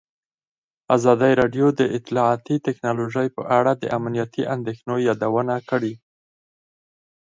ازادي راډیو د اطلاعاتی تکنالوژي په اړه د امنیتي اندېښنو یادونه کړې.